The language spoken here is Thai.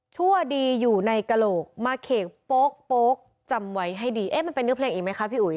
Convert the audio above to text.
ชั่วดีอยู่ในกระโหลกมาเขกโป๊กโป๊กจำไว้ให้ดีเอ๊ะมันเป็นเนื้อเพลงอีกไหมคะพี่อุ๋ย